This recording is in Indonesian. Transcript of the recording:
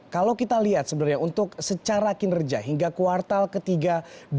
kalau kita lihat sebenarnya untuk secara kinerja hingga kuartal ketiga dua ribu dua puluh